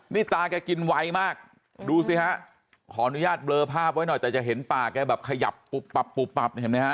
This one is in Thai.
นี่ตาแกกินไวมากดูสิฮะขออนุญาตเบลอภาพไว้หน่อยแต่จะเห็นป่าแกแบบขยับปุ๊บปับปุ๊บปับเห็นไหมฮะ